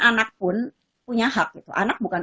anak pun punya hak gitu anak bukan